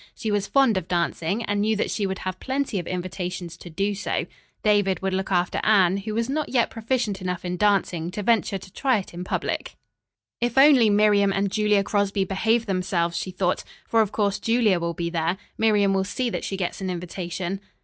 She was fond of dancing, and knew that she would have plenty of invitations to do so. David would look after Anne, who was not yet proficient enough in dancing to venture to try it in public. "If only Miriam and Julia Crosby behave themselves!" she thought, "for, of course, Julia will be there. Miriam will see that she gets an invitation."